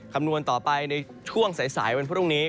คำนวณต่อไปในช่วงสายวันพรุ่งนี้